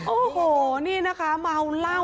โอ้โหนี่นะคะเมาเหล้า